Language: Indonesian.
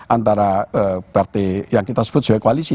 antara partai yang kita sebut sebagai koalisi